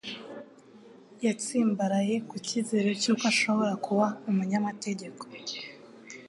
Yatsimbaraye ku cyizere cy'uko ashobora kuba umunyamategeko.